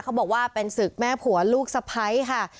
บอกว่าเป็นศึกแม่ผัวลูกสะพ้ายค่ะ